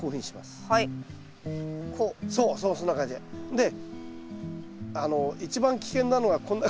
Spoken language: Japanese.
で一番危険なのはこんな感じで。